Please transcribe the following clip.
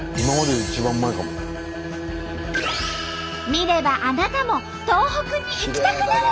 見ればあなたも東北に行きたくなる！